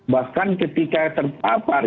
bahkan ketika terpapar